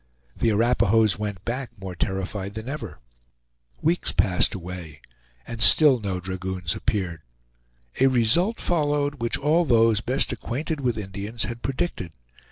The Arapahoes went back more terrified than ever. Weeks passed away, and still no dragoons appeared. A result followed which all those best acquainted with Indians had predicted.